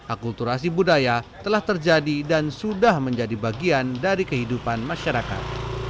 akulturasi budaya telah terjadi dan sudah menjadi bagian dari kehidupan masyarakat